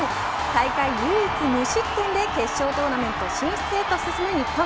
大会唯一無失点で決勝トーナメント進出へと進む日本。